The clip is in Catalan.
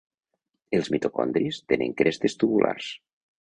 Els mitocondris tenen crestes tubulars.